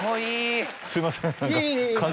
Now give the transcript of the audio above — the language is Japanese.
すいません何か。